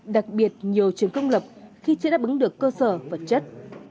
đặc biệt nhiều trường công lập khi chưa đáp ứng được cơ sở vật chất